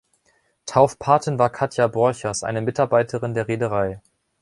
Taufpatin war Katja Borchers, eine Mitarbeiterin der Reederei.